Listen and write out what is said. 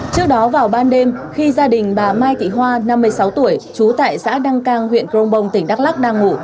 trước đó vào ban đêm khi gia đình bà mai thị hoa năm mươi sáu tuổi trú tại xã đăng cang huyện crong bong tỉnh đắk lắc đang ngủ